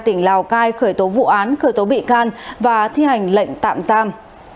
tỉnh lào cai khởi tố vụ án khởi tố bị can và thi hành lệnh tạm giam